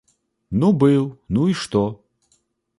Ну быў, ну і што?